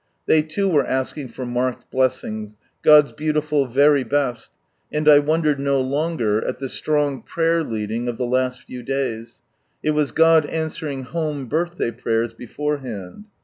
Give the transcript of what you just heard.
They loo were asking for "marked blessings," God's beautiful " very best," and I wondered no longer at the strong prayer leading of ihe last few days. It was God answering home birthday prayers beforehand.